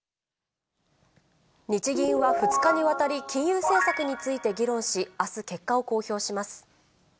日銀は２日にわたり、金融政策について議論し、あす結果を公表します。